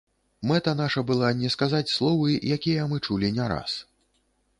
Мэта наша была не сказаць словы, якія мы чулі не раз.